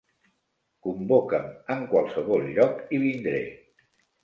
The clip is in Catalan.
Convoca'm en qualsevol lloc i vindré.